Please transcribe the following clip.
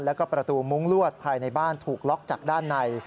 แล้วก็ประตูมุ้งลวดภายในบ้านถูกล็อกจากด้านใน